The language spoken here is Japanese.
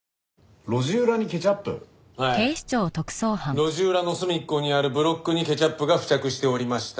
路地裏の隅っこにあるブロックにケチャップが付着しておりました。